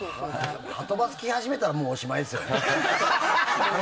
はとバス来始めたらおしまいですよね。